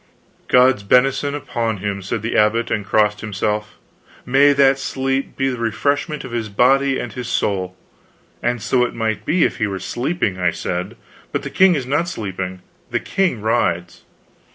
"God's benison upon him!" said the abbot, and crossed himself; "may that sleep be to the refreshment of his body and his soul." "And so it might be, if he were sleeping," I said, "but the king is not sleeping, the king rides."